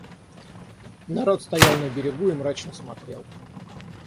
Народ стоял на берегу и мрачно смотрел.